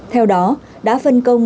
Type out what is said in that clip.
theo đó đã phân công